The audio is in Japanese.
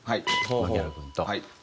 槇原君と。